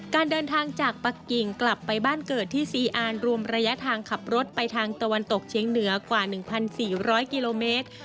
การเดินทางจากปะกิ่งกลับไปบ้านเกิดที่ซีอาร์รวมระยะทางขับรถไปทางตะวันตกเชียงเหนือกว่า๑๔๐๐กิโลเมตร